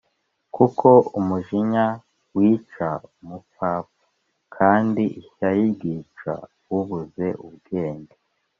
kuko umujinya wica umupfapfa, kandi ishyari ryica ubuze ubwenge